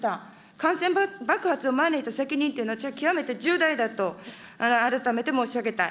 感染爆発を招いた責任というのは、私は極めて重大だと改めて申し上げたい。